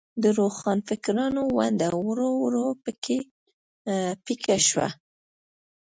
د روښانفکرانو ونډه ورو ورو په کې پیکه شوه.